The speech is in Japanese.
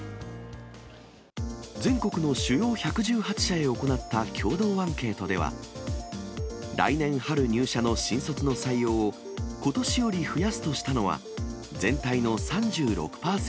全国の主要１１８社へ行った共同アンケートでは、来年春入社の新卒の採用をことしより増やすとしたのは、全体の３６％。